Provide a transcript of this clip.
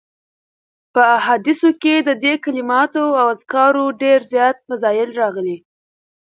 په احاديثو کي د دي کلماتو او اذکارو ډير زیات فضائل راغلي